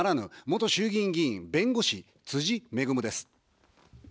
元衆議院議員、弁護士、つじ恵です。